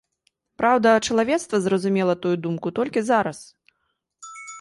Праўда, чалавецтва зразумела тую думку толькі зараз.